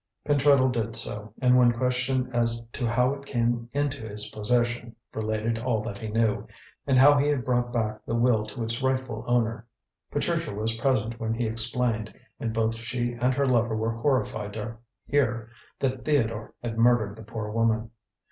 Pentreddle did so, and when questioned as to how it came into his possession, related all that he knew, and how he had brought back the will to its rightful owner. Patricia was present when he explained, and both she and her lover were horrified to hear that Theodore had murdered the poor woman.